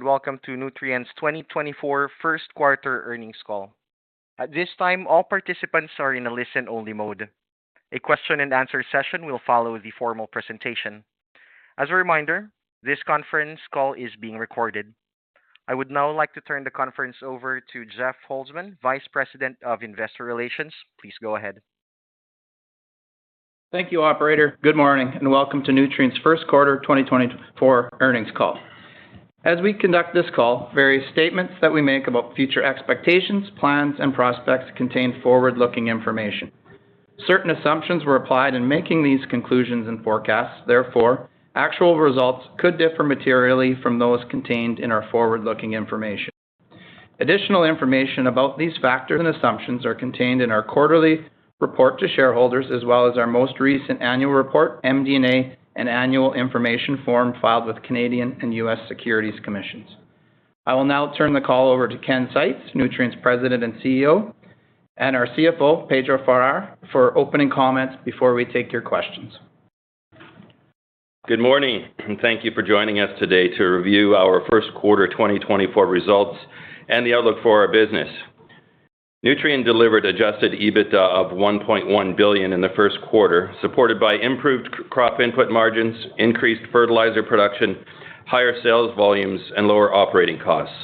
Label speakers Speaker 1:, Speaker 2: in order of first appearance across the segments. Speaker 1: Welcome to Nutrien's 2024 first-quarter earnings call. At this time, all participants are in a listen-only mode. A Q&A session will follow the formal presentation. As a reminder, this conference call is being recorded. I would now like to turn the conference over to Jeff Holzman, Vice President of Investor Relations. Please go ahead.
Speaker 2: Thank you, Operator. Good morning and welcome to Nutrien's first-quarter 2024 earnings call. As we conduct this call, various statements that we make about future expectations, plans, and prospects contain forward-looking information. Certain assumptions were applied in making these conclusions and forecasts. Therefore, actual results could differ materially from those contained in our forward-looking information. Additional information about these factors and assumptions is contained in our quarterly report to shareholders as well as our most recent annual report, MD&A, and annual information form filed with Canadian and U.S. Securities Commissions. I will now turn the call over to Ken Seitz, Nutrien's President and CEO, and our CFO, Pedro Farah, for opening comments before we take your questions.
Speaker 3: Good morning and thank you for joining us today to review our first-quarter 2024 results and the outlook for our business. Nutrien delivered Adjusted EBITDA of $1.1 billion in the first quarter, supported by improved crop input margins, increased fertilizer production, higher sales volumes, and lower operating costs.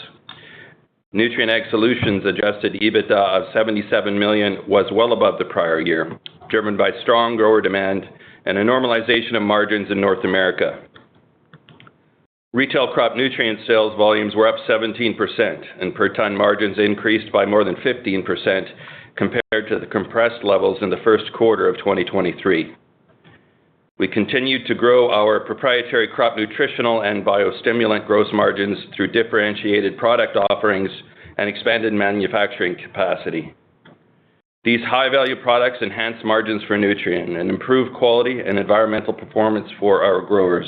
Speaker 3: Nutrien Ag Solutions' Adjusted EBITDA of $77 million was well above the prior year, driven by strong grower demand and a normalization of margins in North America. Retail crop nutrient sales volumes were up 17%, and per-ton margins increased by more than 15% compared to the compressed levels in the first quarter of 2023. We continued to grow our proprietary crop nutritional and biostimulant gross margins through differentiated product offerings and expanded manufacturing capacity. These high-value products enhance margins for Nutrien and improve quality and environmental performance for our growers.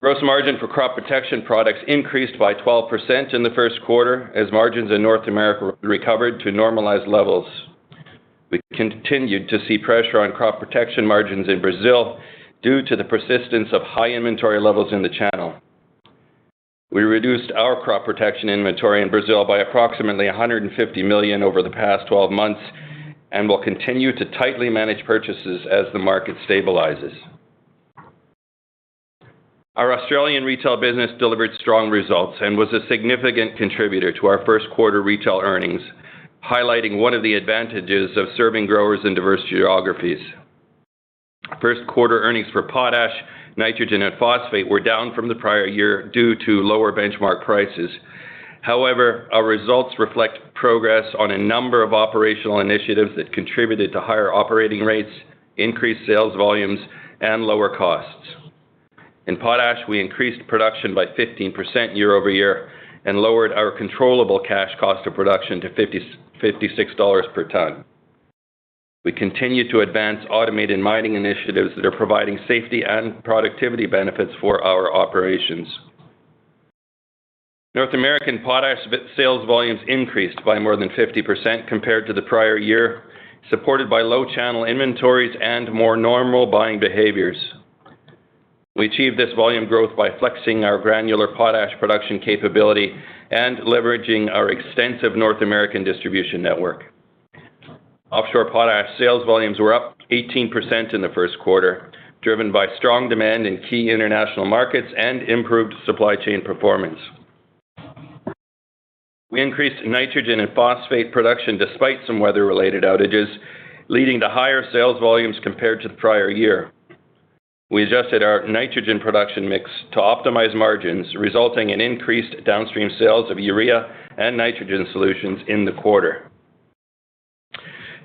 Speaker 3: Gross margin for crop protection products increased by 12% in the first quarter as margins in North America recovered to normalized levels. We continued to see pressure on crop protection margins in Brazil due to the persistence of high inventory levels in the channel. We reduced our crop protection inventory in Brazil by approximately $150 million over the past 12 months and will continue to tightly manage purchases as the market stabilizes. Our Australian retail business delivered strong results and was a significant contributor to our first-quarter retail earnings, highlighting one of the advantages of serving growers in diverse geographies. First-quarter earnings for potash, nitrogen, and phosphate were down from the prior year due to lower benchmark prices. However, our results reflect progress on a number of operational initiatives that contributed to higher operating rates, increased sales volumes, and lower costs. In potash, we increased production by 15% year-over-year and lowered our controllable cash cost of production to $56 per ton. We continue to advance automated mining initiatives that are providing safety and productivity benefits for our operations. North American potash sales volumes increased by more than 50% compared to the prior year, supported by low channel inventories and more normal buying behaviors. We achieved this volume growth by flexing our granular potash production capability and leveraging our extensive North American distribution network. Offshore potash sales volumes were up 18% in the first quarter, driven by strong demand in key international markets and improved supply chain performance. We increased nitrogen and phosphate production despite some weather-related outages, leading to higher sales volumes compared to the prior year. We adjusted our nitrogen production mix to optimize margins, resulting in increased downstream sales of urea and nitrogen solutions in the quarter.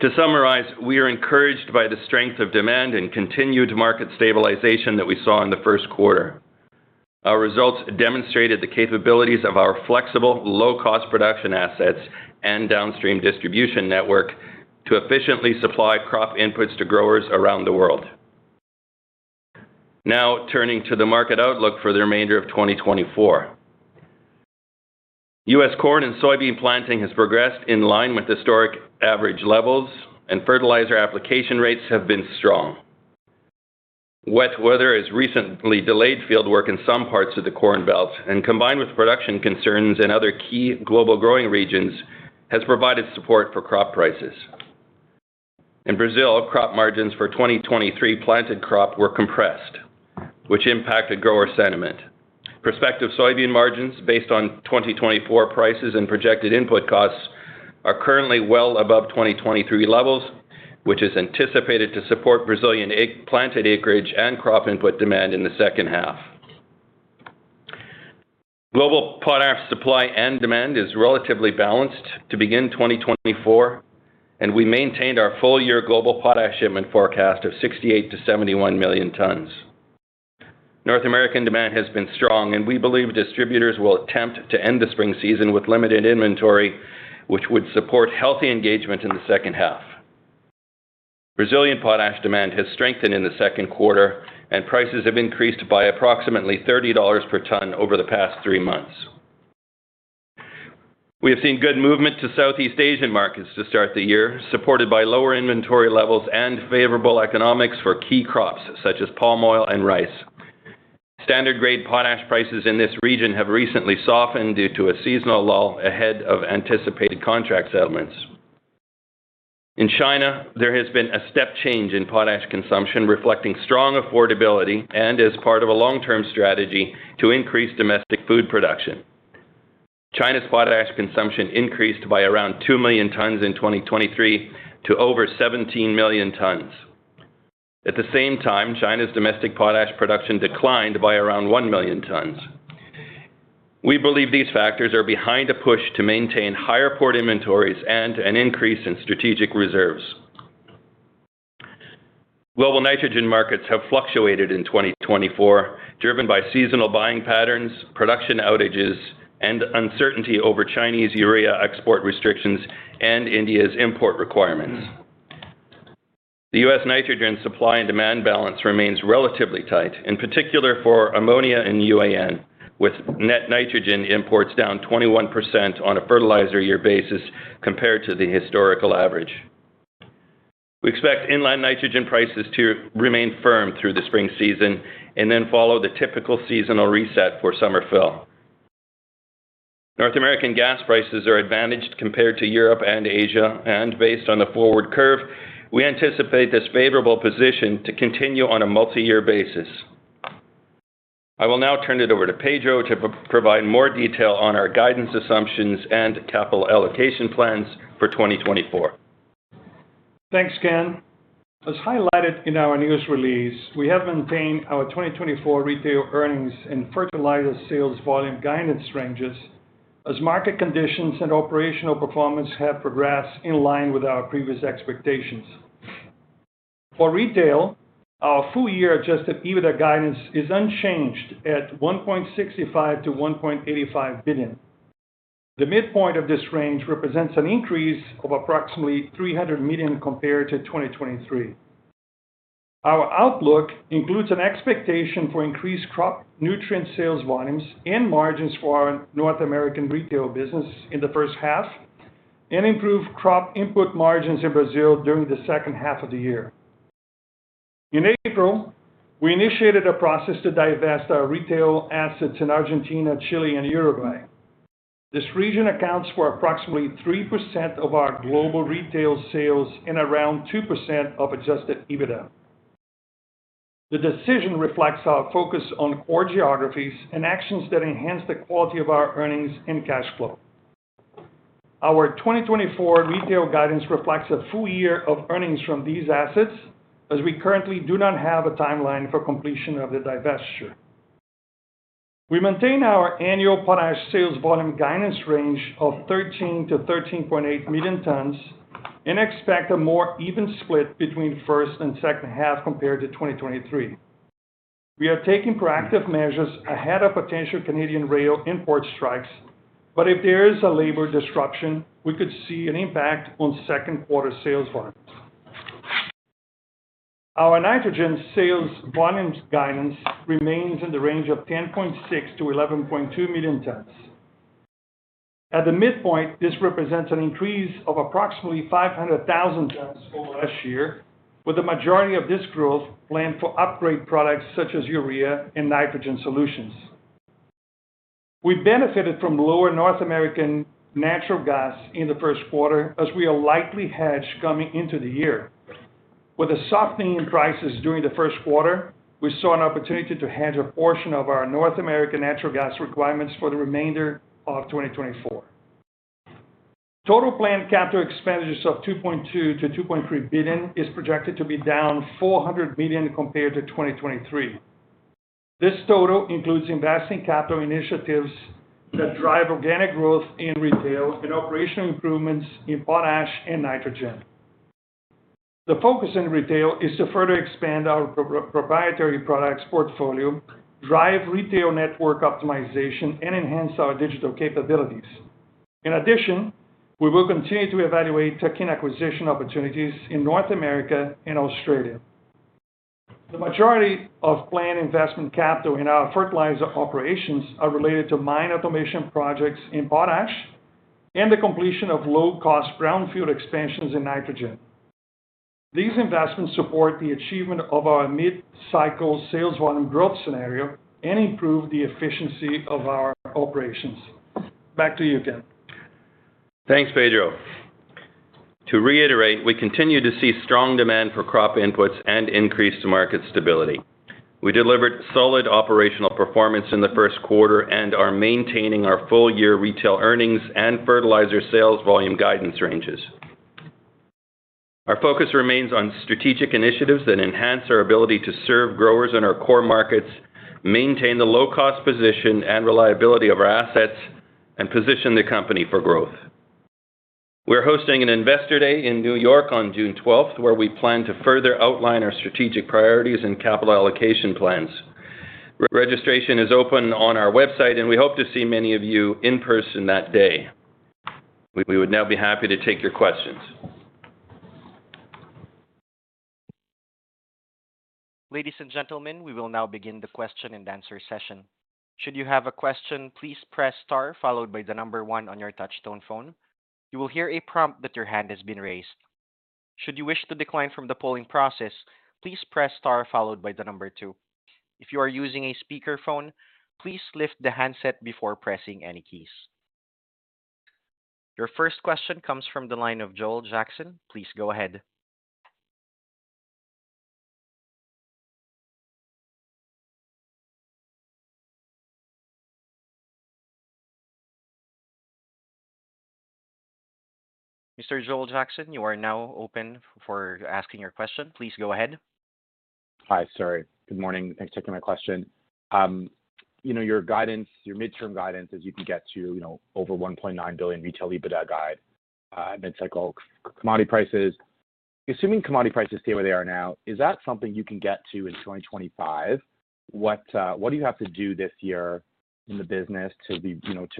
Speaker 3: To summarize, we are encouraged by the strength of demand and continued market stabilization that we saw in the first quarter. Our results demonstrated the capabilities of our flexible, low-cost production assets and downstream distribution network to efficiently supply crop inputs to growers around the world. Now turning to the market outlook for the remainder of 2024. U.S. corn and soybean planting has progressed in line with historic average levels, and fertilizer application rates have been strong. Wet weather has recently delayed fieldwork in some parts of the Corn Belt, and combined with production concerns in other key global growing regions, has provided support for crop prices. In Brazil, crop margins for 2023 planted crop were compressed, which impacted grower sentiment. Prospective soybean margins, based on 2024 prices and projected input costs, are currently well above 2023 levels, which is anticipated to support Brazilian planted acreage and crop input demand in the second half. Global potash supply and demand is relatively balanced to begin 2024, and we maintained our full-year global potash shipment forecast of 68-71 million tons. North American demand has been strong, and we believe distributors will attempt to end the spring season with limited inventory, which would support healthy engagement in the second half. Brazilian potash demand has strengthened in the second quarter, and prices have increased by approximately $30 per ton over the past three months. We have seen good movement to Southeast Asian markets to start the year, supported by lower inventory levels and favorable economics for key crops such as palm oil and rice. Standard-grade potash prices in this region have recently softened due to a seasonal lull ahead of anticipated contract settlements. In China, there has been a step change in potash consumption, reflecting strong affordability and as part of a long-term strategy to increase domestic food production. China's potash consumption increased by around 2 million tons in 2023 to over 17 million tons. At the same time, China's domestic potash production declined by around 1 million tons. We believe these factors are behind a push to maintain higher port inventories and an increase in strategic reserves. Global nitrogen markets have fluctuated in 2024, driven by seasonal buying patterns, production outages, and uncertainty over Chinese urea export restrictions and India's import requirements. The U.S. nitrogen supply and demand balance remains relatively tight, in particular for ammonia and UAN, with net nitrogen imports down 21% on a fertilizer-year basis compared to the historical average. We expect inland nitrogen prices to remain firm through the spring season and then follow the typical seasonal reset for summer fill. North American gas prices are advantaged compared to Europe and Asia, and based on the forward curve, we anticipate this favorable position to continue on a multi-year basis. I will now turn it over to Pedro to provide more detail on our guidance assumptions and capital allocation plans for 2024.
Speaker 4: Thanks, Ken. As highlighted in our news release, we have maintained our 2024 retail earnings and fertilizer sales volume guidance ranges as market conditions and operational performance have progressed in line with our previous expectations. For retail, our full-year adjusted EBITDA guidance is unchanged at $1.65 billion-$1.85 billion. The midpoint of this range represents an increase of approximately $300 million compared to 2023. Our outlook includes an expectation for increased crop nutrient sales volumes and margins for our North American retail business in the first half and improved crop input margins in Brazil during the second half of the year. In April, we initiated a process to divest our retail assets in Argentina, Chile, and Uruguay. This region accounts for approximately 3% of our global retail sales and around 2% of adjusted EBITDA. The decision reflects our focus on core geographies and actions that enhance the quality of our earnings and cash flow. Our 2024 retail guidance reflects a full year of earnings from these assets, as we currently do not have a timeline for completion of the divestiture. We maintain our annual potash sales volume guidance range of 13-13.8 million tons and expect a more even split between first and second half compared to 2023. We are taking proactive measures ahead of potential Canadian rail import strikes, but if there is a labor disruption, we could see an impact on second-quarter sales volumes. Our nitrogen sales volume guidance remains in the range of 10.6-11.2 million tons. At the midpoint, this represents an increase of approximately 500,000 tons over last year, with the majority of this growth planned for upgrade products such as urea and nitrogen solutions. We benefited from lower North American natural gas in the first quarter as we are likely hedged coming into the year. With a softening in prices during the first quarter, we saw an opportunity to hedge a portion of our North American natural gas requirements for the remainder of 2024. Total planned capital expenditures of $2.2 billion-$2.3 billion is projected to be down $400 million compared to 2023. This total includes investing capital initiatives that drive organic growth in retail and operational improvements in potash and nitrogen. The focus in retail is to further expand our proprietary products portfolio, drive retail network optimization, and enhance our digital capabilities. In addition, we will continue to evaluate tuck-in acquisition opportunities in North America and Australia. The majority of planned investment capital in our fertilizer operations are related to mine automation projects in potash and the completion of low-cost brownfield expansions in nitrogen. These investments support the achievement of our mid-cycle sales volume growth scenario and improve the efficiency of our operations. Back to you, Ken.
Speaker 3: Thanks, Pedro. To reiterate, we continue to see strong demand for crop inputs and increased market stability. We delivered solid operational performance in the first quarter and are maintaining our full-year retail earnings and fertilizer sales volume guidance ranges. Our focus remains on strategic initiatives that enhance our ability to serve growers in our core markets, maintain the low-cost position and reliability of our assets, and position the company for growth. We are hosting an Investor Day in New York on June 12th, where we plan to further outline our strategic priorities and capital allocation plans. Registration is open on our website, and we hope to see many of you in person that day. We would now be happy to take your questions.
Speaker 1: Ladies and gentlemen, we will now begin the question and answer session. Should you have a question, please press * followed by the number 1 on your touch-tone phone. You will hear a prompt that your hand has been raised. Should you wish to decline from the polling process, please press * followed by the number 2. If you are using a speakerphone, please lift the handset before pressing any keys. Your first question comes from the line of Joel Jackson. Please go ahead. Mr. Joel Jackson, you are now open for asking your question. Please go ahead.
Speaker 5: Hi, sorry. Good morning. Thanks for taking my question. Your mid-term guidance, as you can get to over $1.9 billion retail EBITDA guide, mid-cycle commodity prices, assuming commodity prices stay where they are now, is that something you can get to in 2025? What do you have to do this year in the business to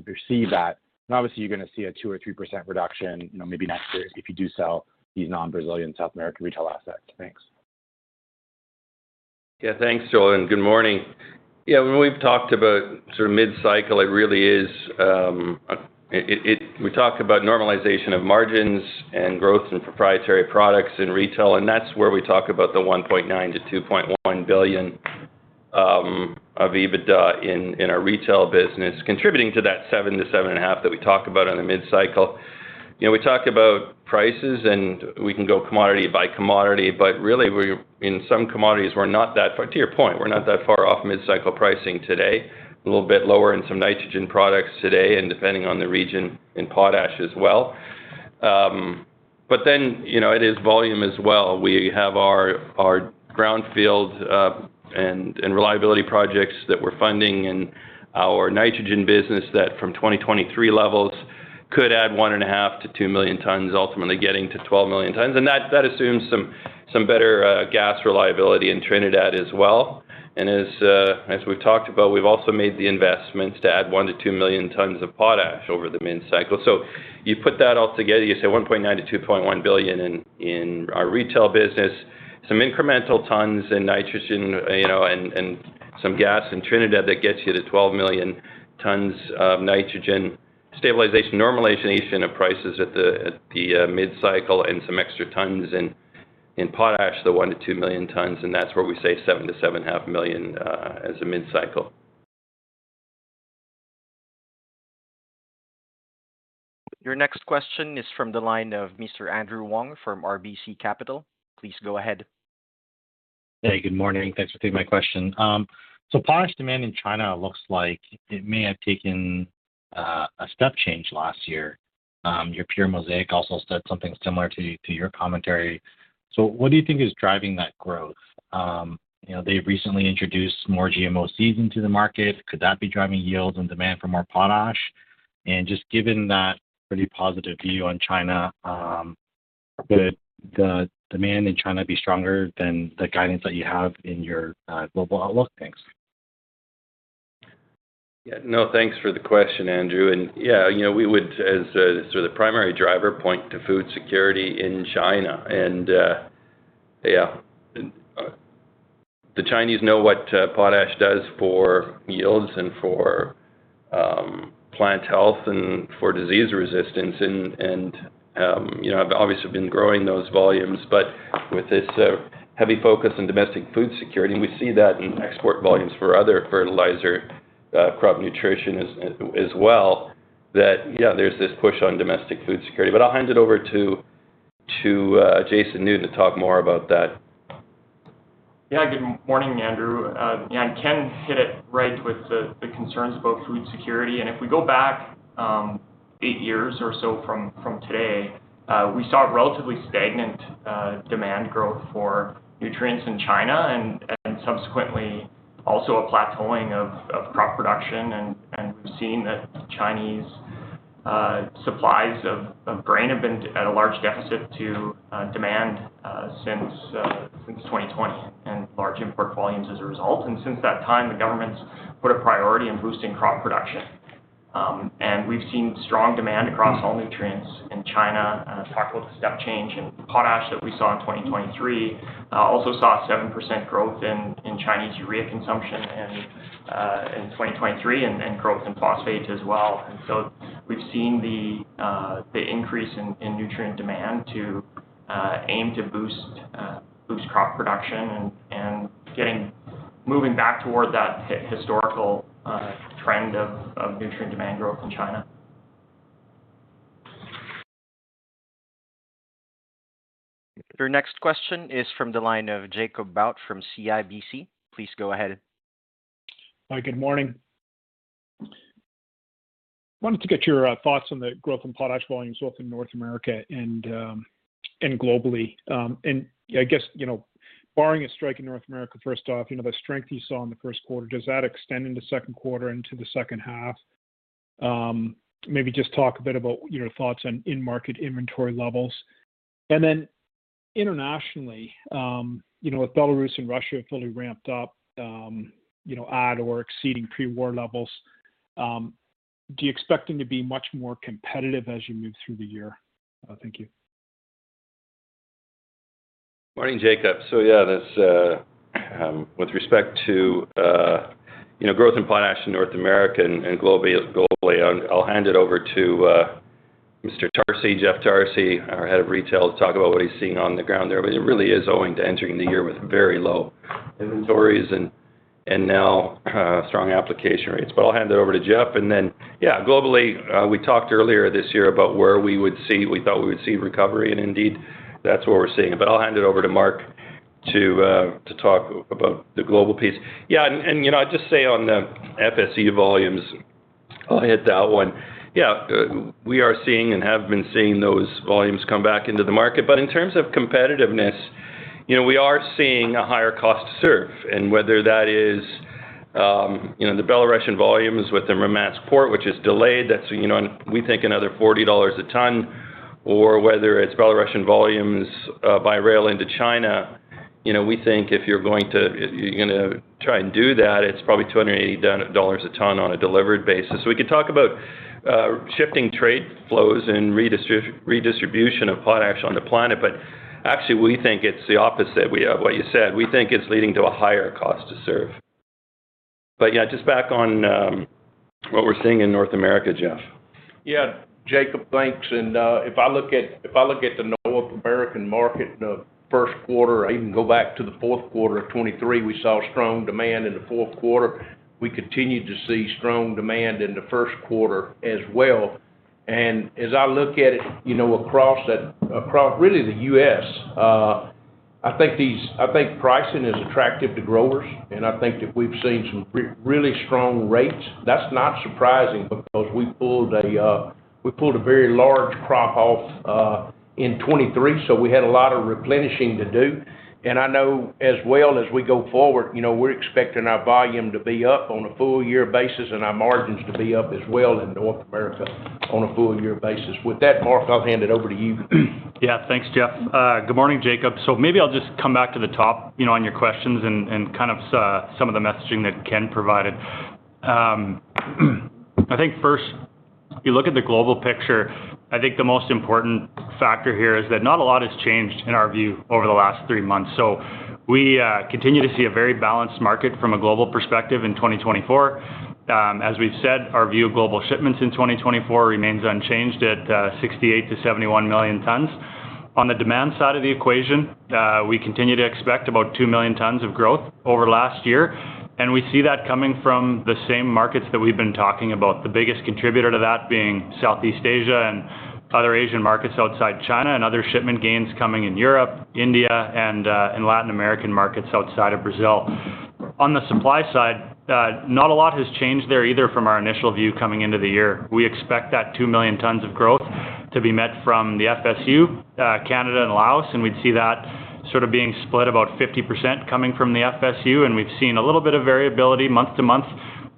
Speaker 5: perceive that? And obviously, you're going to see a 2% or 3% reduction maybe next year if you do sell these non-Brazilian and South American retail assets. Thanks.
Speaker 3: Yeah, thanks, Joel, and good morning. Yeah, when we've talked about mid-cycle, it really is we talk about normalization of margins and growth in proprietary products in retail, and that's where we talk about the $1.9 billion-$2.1 billion of EBITDA in our retail business, contributing to that $7-$7.5 billion that we talk about in the mid-cycle. We talk about prices, and we can go commodity by commodity, but really, in some commodities, we're not that far to your point, we're not that far off mid-cycle pricing today, a little bit lower in some nitrogen products today and depending on the region in potash as well. But then it is volume as well. We have our brownfield and reliability projects that we're funding and our nitrogen business that from 2023 levels could add 1.5-2 million tons, ultimately getting to 12 million tons. That assumes some better gas reliability in Trinidad as well. As we've talked about, we've also made the investments to add 1-2 million tons of potash over the mid-cycle. So you put that all together, you say $1.9-$2.1 billion in our retail business, some incremental tons in nitrogen and some gas in Trinidad that gets you to 12 million tons of nitrogen stabilization, normalization of prices at the mid-cycle, and some extra tons in potash, the 1-2 million tons. That's where we say 7-7.5 million as a mid-cycle.
Speaker 1: Your next question is from the line of Mr. Andrew Wong from RBC Capital. Please go ahead.
Speaker 6: Hey, good morning. Thanks for taking my question. So potash demand in China looks like it may have taken a step change last year. Your peer, Mosaic, also said something similar to your commentary. So what do you think is driving that growth? They've recently introduced more GMOs into the market. Could that be driving yields and demand for more potash? And just given that pretty positive view on China, could the demand in China be stronger than the guidance that you have in your global outlook? Thanks.
Speaker 3: Yeah, no, thanks for the question, Andrew. And yeah, we would, as sort of the primary driver, point to food security in China. And yeah, the Chinese know what potash does for yields and for plant health and for disease resistance and have obviously been growing those volumes. But with this heavy focus on domestic food security, and we see that in export volumes for other fertilizer crop nutrition as well, that yeah, there's this push on domestic food security. But I'll hand it over to Jason Newton to talk more about that.
Speaker 7: Yeah, good morning, Andrew. Yeah, Ken hit it right with the concerns about food security. And if we go back 8 years or so from today, we saw relatively stagnant demand growth for nutrients in China and subsequently also a plateauing of crop production. And we've seen that Chinese supplies of grain have been at a large deficit to demand since 2020 and large import volumes as a result. And since that time, the government's put a priority in boosting crop production. And we've seen strong demand across all nutrients in China. Talk about the step change in potash that we saw in 2023. Also saw 7% growth in Chinese urea consumption in 2023 and growth in phosphate as well. And so we've seen the increase in nutrient demand to aim to boost crop production and getting moving back toward that historical trend of nutrient demand growth in China.
Speaker 1: Your next question is from the line of Jacob Bout from CIBC. Please go ahead.
Speaker 8: Hi, good morning. Wanted to get your thoughts on the growth in potash volumes both in North America and globally. And I guess, barring a strike in North America, first off, the strength you saw in the first quarter, does that extend into second quarter and to the second half? Maybe just talk a bit about thoughts on in-market inventory levels. And then internationally, with Belarus and Russia fully ramped up at or exceeding pre-war levels, do you expect them to be much more competitive as you move through the year? Thank you.
Speaker 3: Morning, Jacob. So yeah, with respect to growth in potash in North America and globally, I'll hand it over to Mr. Tarsi, Jeff Tarsi, our head of retail, to talk about what he's seeing on the ground there. But it really is owing to entering the year with very low inventories and now strong application rates. But I'll hand it over to Jeff. And then yeah, globally, we talked earlier this year about where we would see we thought we would see recovery, and indeed, that's where we're seeing it. But I'll hand it over to Mark to talk about the global piece. Yeah, and I'd just say on the FSU volumes, I'll hit that one. Yeah, we are seeing and have been seeing those volumes come back into the market. But in terms of competitiveness, we are seeing a higher cost to serve. And whether that is the Belarusian volumes with the Murmansk port, which is delayed, that's we think another $40 a ton, or whether it's Belarusian volumes by rail into China, we think if you're going to try and do that, it's probably $280 a ton on a delivered basis. So we could talk about shifting trade flows and redistribution of potash on the planet, but actually, we think it's the opposite of what you said. We think it's leading to a higher cost to serve. But yeah, just back on what we're seeing in North America, Jeff.
Speaker 9: Yeah, Jacob. Thanks. And if I look at the North American market in the first quarter, I even go back to the fourth quarter of 2023, we saw strong demand in the fourth quarter. We continued to see strong demand in the first quarter as well. And as I look at it across really the U.S., I think pricing is attractive to growers, and I think that we've seen some really strong rates. That's not surprising because we pulled a very large crop off in 2023, so we had a lot of replenishing to do. And I know as well as we go forward, we're expecting our volume to be up on a full-year basis and our margins to be up as well in North America on a full-year basis. With that, Mark, I'll hand it over to you.
Speaker 10: Yeah, thanks, Jeff. Good morning, Jacob. So maybe I'll just come back to the top on your questions and kind of some of the messaging that Ken provided. I think first, you look at the global picture. I think the most important factor here is that not a lot has changed in our view over the last three months. So we continue to see a very balanced market from a global perspective in 2024. As we've said, our view of global shipments in 2024 remains unchanged at 68-71 million tons. On the demand side of the equation, we continue to expect about 2 million tons of growth over last year. We see that coming from the same markets that we've been talking about, the biggest contributor to that being Southeast Asia and other Asian markets outside China, and other shipment gains coming in Europe, India, and Latin American markets outside of Brazil. On the supply side, not a lot has changed there either from our initial view coming into the year. We expect that 2 million tons of growth to be met from the FSU, Canada, and Laos. We'd see that sort of being split about 50% coming from the FSU. We've seen a little bit of variability month-to-month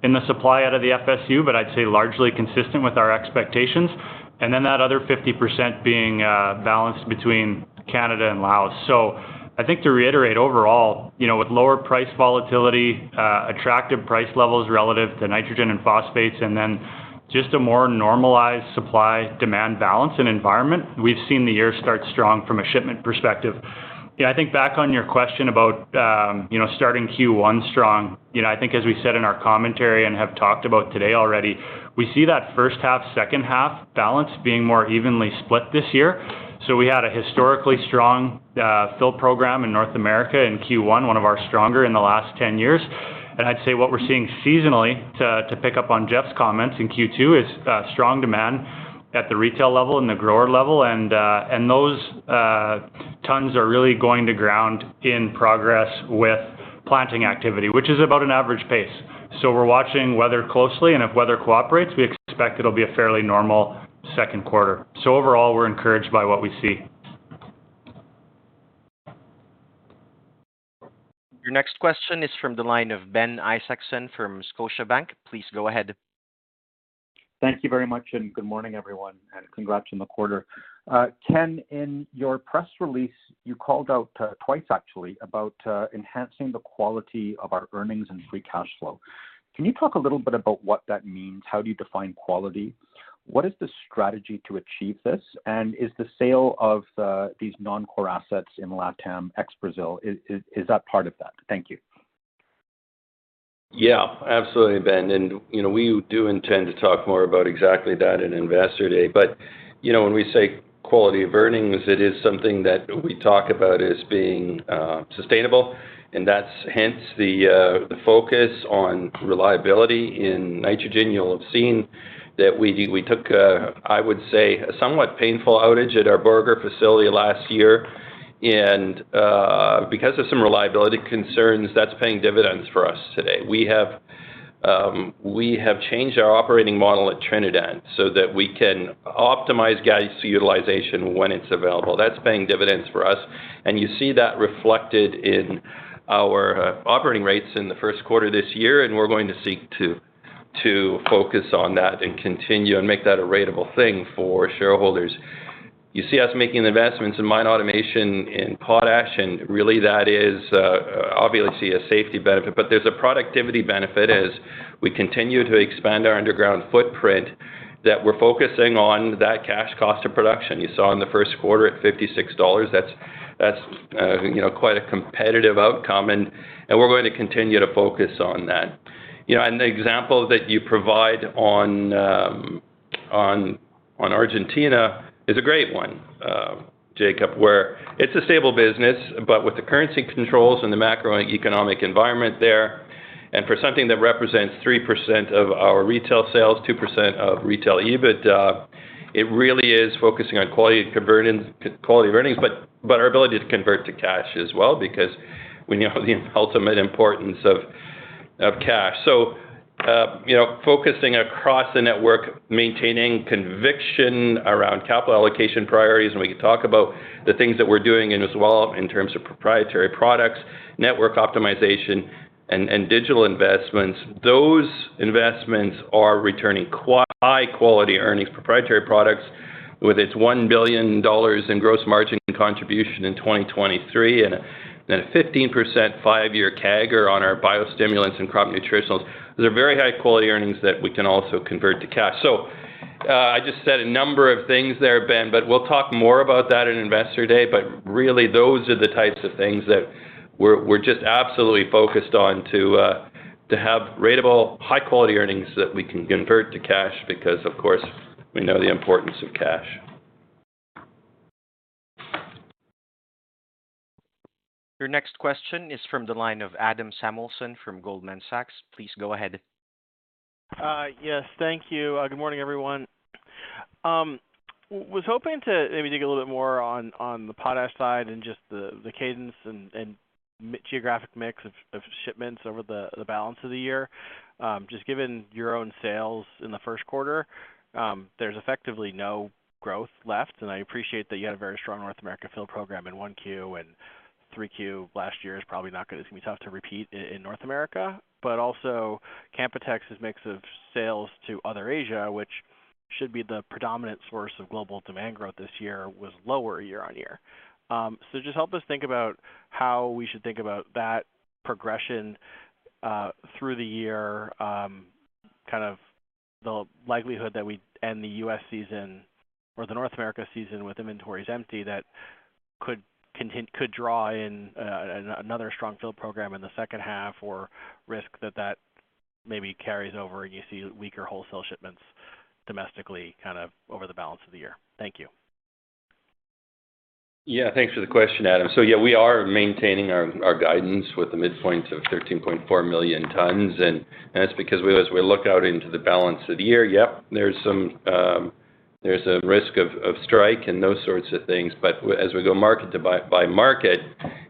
Speaker 10: in the supply out of the FSU, but I'd say largely consistent with our expectations. Then that other 50% being balanced between Canada and Laos. So I think to reiterate, overall, with lower price volatility, attractive price levels relative to nitrogen and phosphates, and then just a more normalized supply-demand balance and environment, we've seen the year start strong from a shipment perspective. Yeah, I think back on your question about starting Q1 strong, I think as we said in our commentary and have talked about today already, we see that first-half, second-half balance being more evenly split this year. So we had a historically strong fill program in North America in Q1, one of our stronger in the last 10 years. I'd say what we're seeing seasonally, to pick up on Jeff's comments in Q2, is strong demand at the retail level and the grower level. And those tons are really going to ground in progress with planting activity, which is about an average pace. So we're watching weather closely, and if weather cooperates, we expect it'll be a fairly normal second quarter. So overall, we're encouraged by what we see.
Speaker 1: Your next question is from the line of Ben Isaacson from Scotiabank. Please go ahead.
Speaker 11: Thank you very much, and good morning, everyone, and congrats on the quarter. Ken, in your press release, you called out twice, actually, about enhancing the quality of our earnings and free cash flow. Can you talk a little bit about what that means? How do you define quality? What is the strategy to achieve this? And is the sale of these non-core assets in LATAM, ex-Brazil, is that part of that? Thank you.
Speaker 3: Yeah, absolutely, Ben. And we do intend to talk more about exactly that in Investor Day. But when we say quality of earnings, it is something that we talk about as being sustainable. And that's hence the focus on reliability in nitrogen. You'll have seen that we took, I would say, a somewhat painful outage at our Borger facility last year. And because of some reliability concerns, that's paying dividends for us today. We have changed our operating model at Trinidad so that we can optimize gas utilization when it's available. That's paying dividends for us. And you see that reflected in our operating rates in the first quarter this year. And we're going to seek to focus on that and continue and make that a ratable thing for shareholders. You see us making investments in mine automation in potash, and really that is obviously a safety benefit. But there's a productivity benefit as we continue to expand our underground footprint that we're focusing on that cash cost of production. You saw in the first quarter at $56. That's quite a competitive outcome, and we're going to continue to focus on that. And the example that you provide on Argentina is a great one, Jacob, where it's a stable business, but with the currency controls and the macroeconomic environment there. And for something that represents 3% of our retail sales, 2% of retail EBIT, it really is focusing on quality of earnings, but our ability to convert to cash as well because we know the ultimate importance of cash. So focusing across the network, maintaining conviction around capital allocation priorities. And we could talk about the things that we're doing as well in terms of proprietary products, network optimization, and digital investments. Those investments are returning high-quality earnings, proprietary products with its $1 billion in gross margin contribution in 2023 and then a 15% five-year CAGR on our biostimulants and crop nutritionals. Those are very high-quality earnings that we can also convert to cash. So I just said a number of things there, Ben, but we'll talk more about that in Investor Day. But really, those are the types of things that we're just absolutely focused on to have ratable, high-quality earnings that we can convert to cash because, of course, we know the importance of cash.
Speaker 1: Your next question is from the line of Adam Samuelson from Goldman Sachs. Please go ahead.
Speaker 12: Yes, thank you. Good morning, everyone. Was hoping to maybe dig a little bit more on the potash side and just the cadence and geographic mix of shipments over the balance of the year. Just given your own sales in the first quarter, there's effectively no growth left. And I appreciate that you had a very strong North America fill program in 1Q and 3Q last year. It's probably not going to be tough to repeat in North America. But also, Canpotex's mix of sales to offshore Asia, which should be the predominant source of global demand growth this year, was lower year-over-year. So just help us think about how we should think about that progression through the year, kind of the likelihood that we'd end the U.S. season or the North America season with inventories empty that could draw in another strong fill program in the second half or risk that that maybe carries over and you see weaker wholesale shipments domestically kind of over the balance of the year. Thank you.
Speaker 3: Yeah, thanks for the question, Adam. So yeah, we are maintaining our guidance with the midpoint of 13.4 million tons. And that's because as we look out into the balance of the year, yep, there's a risk of strike and those sorts of things. But as we go market to market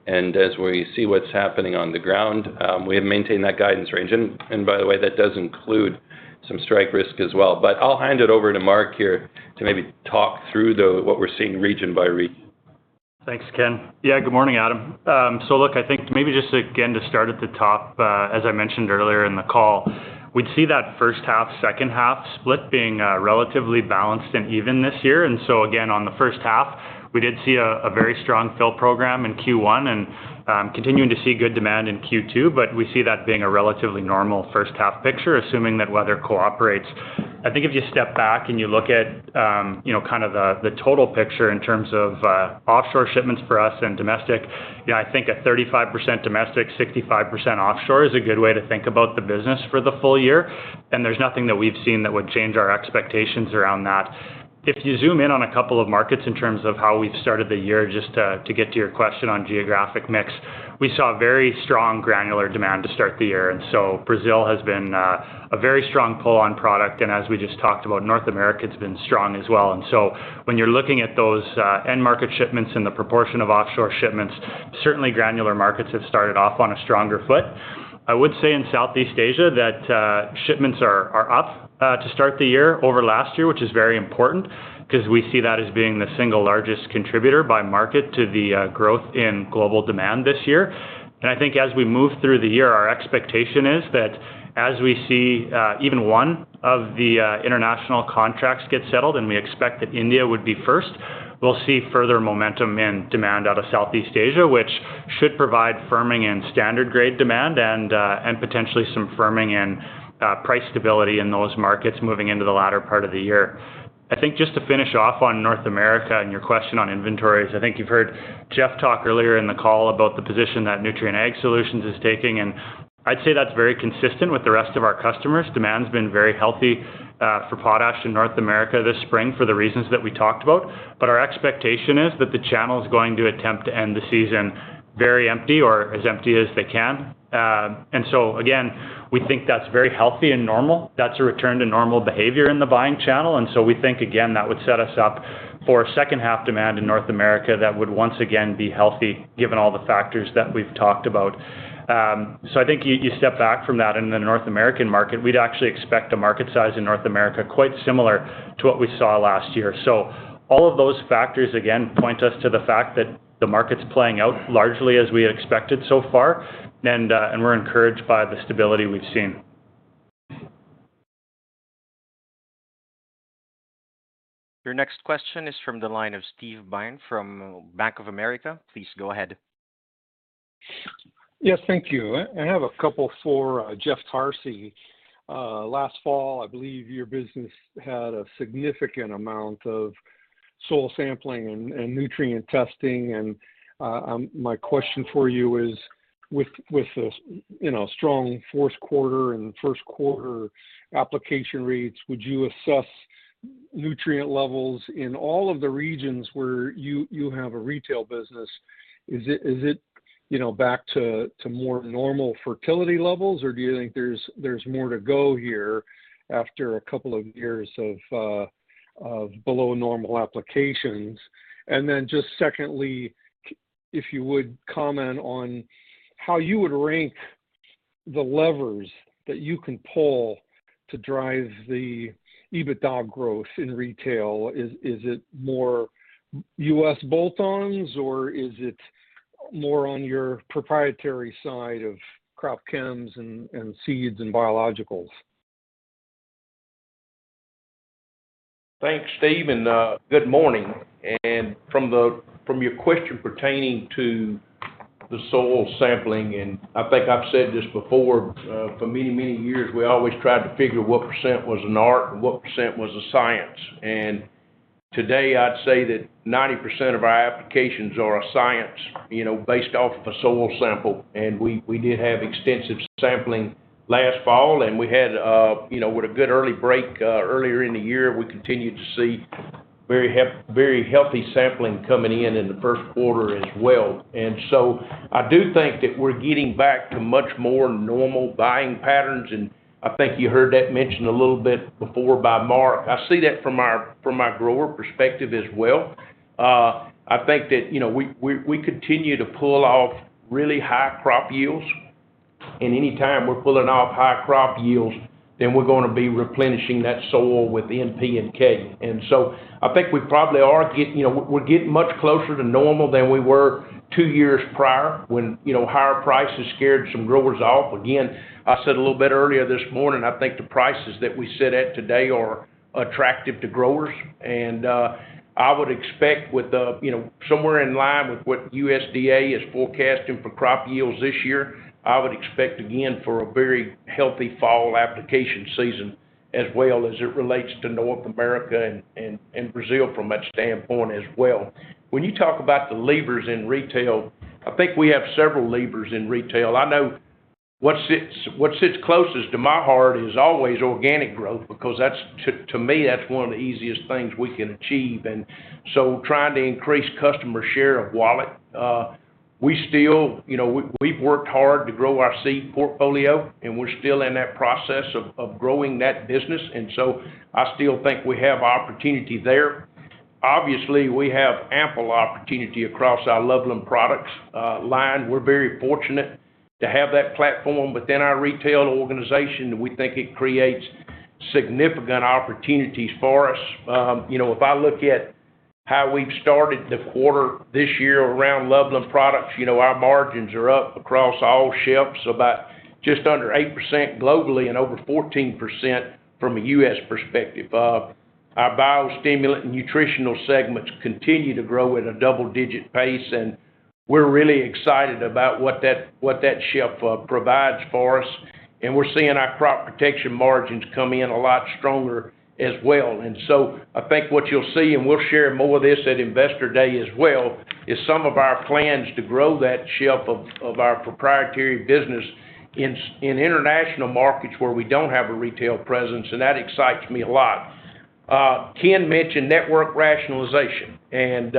Speaker 3: and as we see what's happening on the ground, we have maintained that guidance range. And by the way, that does include some strike risk as well. But I'll hand it over to Mark here to maybe talk through what we're seeing region by region.
Speaker 10: Thanks, Ken. Yeah, good morning, Adam. So look, I think maybe just again to start at the top, as I mentioned earlier in the call, we'd see that first-half, second-half split being relatively balanced and even this year. And so again, on the first half, we did see a very strong fill program in Q1 and continuing to see good demand in Q2. But we see that being a relatively normal first-half picture, assuming that weather cooperates. I think if you step back and you look at kind of the total picture in terms of offshore shipments for us and domestic, I think a 35% domestic, 65% offshore is a good way to think about the business for the full year. And there's nothing that we've seen that would change our expectations around that. If you zoom in on a couple of markets in terms of how we've started the year, just to get to your question on geographic mix, we saw very strong granular demand to start the year. Brazil has been a very stroerthose end-market shipments and the proportion of offshore shipments, certainly granular markets have started off on a stronger foot. I would say in Southeast Asia that shipments are up to start the year over last year, which is very important because we see that as being the single largest contributor by market to the growth in global demand this year. I think as we move through the year, our expectation is that as we see even one of the international contracts get settled and we expect that India would be first, we'll see further momentum in demand out of Southeast Asia, which should provide firming in standard-grade demand and potentially some firming in price stability in those markets moving into the latter part of the year. I think just to finish off on North America and your question on inventories, I think you've heard Jeff talk earlier in the call about the position that Nutrien Ag Solutions is taking. I'd say that's very consistent with the rest of our customers. Demand's been very healthy for potash in North America this spring for the reasons that we talked about. But our expectation is that the channel's going to attempt to end the season very empty or as empty as they can. And so again, we think that's very healthy and normal. That's a return to normal behavior in the buying channel. And so we think, again, that would set us up for second-half demand in North America that would once again be healthy given all the factors that we've talked about. So I think you step back from that. And in the North American market, we'd actually expect a market size in North America quite similar to what we saw last year. So all of those factors, again, point us to the fact that the market's playing out largely as we had expected so far. And we're encouraged by the stability we've seen.
Speaker 1: Your next question is from the line of Steve Byrne from Bank of America. Please go ahead.
Speaker 13: Yes, thank you. I have a couple for Jeff Tarsi. Last fall, I believe your business had a significant amount of soil sampling and nutrient testing. And my question for you is, with the strong fourth quarter and first quarter application rates, would you assess nutrient levels in all of the regions where you have a retail business? Is it back to more normal fertility levels, or do you think there's more to go here after a couple of years of below-normal applications? And then just secondly, if you would comment on how you would rank the levers that you can pull to drive the EBITDA growth in retail, is it more U.S. bolt-ons, or is it more on your proprietary side of crop chems and seeds and biologicals?
Speaker 9: Thanks, Steve, and good morning. From your question pertaining to the soil sampling, and I think I've said this before, for many, many years, we always tried to figure what percent was an art and what percent was a science. Today, I'd say that 90% of our applications are a science based off of a soil sample. We did have extensive sampling last fall. We had, with a good early break earlier in the year, we continued to see very healthy sampling coming in in the first quarter as well. So I do think that we're getting back to much more normal buying patterns. I think you heard that mentioned a little bit before by Mark. I see that from my grower perspective as well. I think that we continue to pull off really high crop yields. And anytime we're pulling off high crop yields, then we're going to be replenishing that soil with NP and K. And so I think we probably are getting much closer to normal than we were two years prior when higher prices scared some growers off. Again, I said a little bit earlier this morning, I think the prices that we sit at today are attractive to growers. And I would expect, somewhere in line with what USDA is forecasting for crop yields this year, I would expect, again, for a very healthy fall application season as well as it relates to North America and Brazil from that standpoint as well. When you talk about the levers in retail, I think we have several levers in retail. I know what sits closest to my heart is always organic growth because, to me, that's one of the easiest things we can achieve. So trying to increase customer share of wallet, we've worked hard to grow our seed portfolio, and we're still in that process of growing that business. So I still think we have opportunity there. Obviously, we have ample opportunity across our Loveland Products line. We're very fortunate to have that platform within our retail organization. We think it creates significant opportunities for us. If I look at how we've started the quarter this year around Loveland Products, our margins are up across all shelves about just under 8% globally and over 14% from a U.S. perspective. Our biostimulant and nutritional segments continue to grow at a double-digit pace. And we're really excited about what that shelf provides for us. And we're seeing our crop protection margins come in a lot stronger as well. And so I think what you'll see, and we'll share more of this at Investor Day as well, is some of our plans to grow that shelf of our proprietary business in international markets where we don't have a retail presence. And that excites me a lot. Ken mentioned network rationalization. And